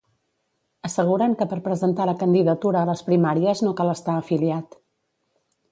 Asseguren que per presentar la candidatura a les primàries no cal estar afiliat.